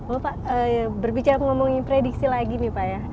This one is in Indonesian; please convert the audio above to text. oh pak berbicara ngomongin prediksi lagi nih pak ya